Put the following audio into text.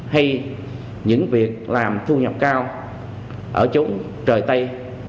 hay những việc làm thu nhập cao ở chỗ trời tây